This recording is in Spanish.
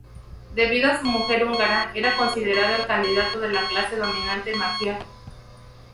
Debido a su mujer húngara, era considerado el candidato de la clase dominante magiar.